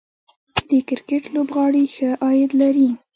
د کرکټ لوبغاړي ښه عاید لري